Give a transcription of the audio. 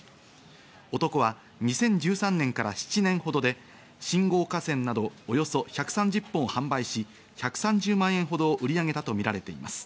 男は２０１３年から７年ほどで信号火せんなどおよそ１３０本を販売し、１３０万円ほど売り上げたとみられています。